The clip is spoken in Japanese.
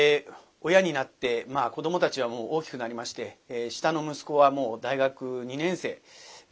親になって子どもたちはもう大きくなりまして下の息子はもう大学２年生。